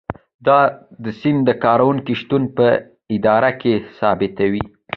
دا سند د کارکوونکي شتون په اداره کې تثبیتوي.